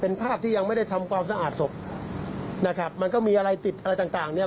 เป็นภาพที่ยังไม่ได้ทำความสะอาดศพนะครับมันก็มีอะไรติดอะไรต่างต่างเนี่ย